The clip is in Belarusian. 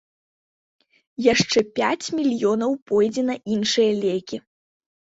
Яшчэ пяць мільёнаў пойдзе на іншыя лекі.